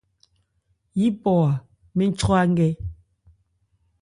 Yípɔ-a mɛn chwra nkɛ.